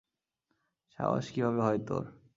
সাহস কীভাবে হয় তোর?